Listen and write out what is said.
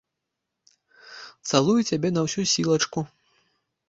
Цалую цябе на ўсю сілачку.